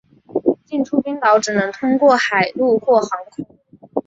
进出冰岛只能通过海路或航空。